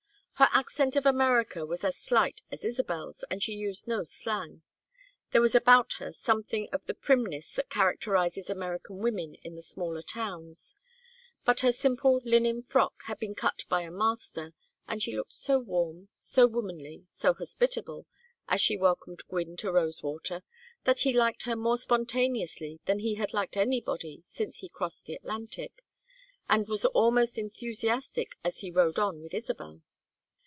Her accent of America was as slight as Isabel's, and she used no slang. There was about her something of the primness that characterizes American women in the smaller towns, but her simple linen frock had been cut by a master, and she looked so warm, so womanly, so hospitable as she welcomed Gwynne to Rosewater, that he liked her more spontaneously than he had liked anybody since he crossed the Atlantic, and was almost enthusiastic as he rode on with Isabel.